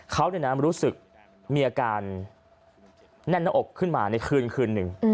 เขาในน้ำรู้สึกมีอาการแน่นน้ำอกขึ้นมาในคืนนึง